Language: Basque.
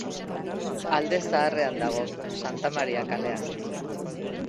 Alde Zaharrean dago, Santa Maria kalean.